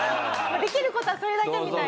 できる事はそれだけみたいな。